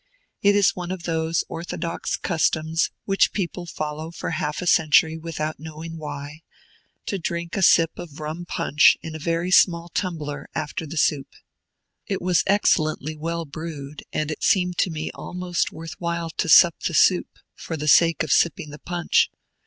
It is one of those orthodox customs which people follow for half a century without knowing why, to drink a sip of rum punch, in a very small tumbler, after the soup. It was excellently well brewed, and it seemed to me almost worth while to sup the soup for the sake of sipping the punch.